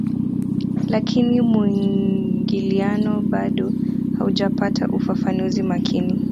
Lakini muingiliano bado haujapata ufafanuzi makini